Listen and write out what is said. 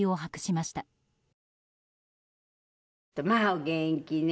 まあ、お元気ね。